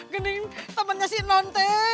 gini temennya si non